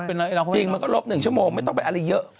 จริงมันก็ลบ๑ชั่วโมงไม่ต้องไปอะไรเยอะ